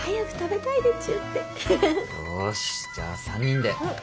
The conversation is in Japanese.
よしじゃあ３人で。